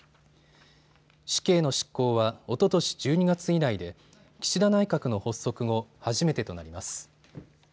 死刑の執行はおととし１２月以来で岸田内閣の発足後、初めてとなります。